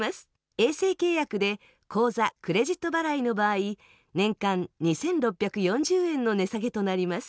衛星契約で口座・クレジット払いの場合年間２６４０円の値下げとなります。